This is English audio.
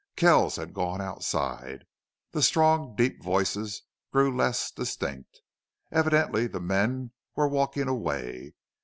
Kells had gone outside. The strong, deep voices' grew less distinct. Evidently the men were walking away.